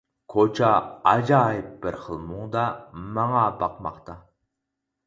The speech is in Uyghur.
كوچا ئاجايىپ بىر خىل مۇڭدا ماڭا باقماقتا.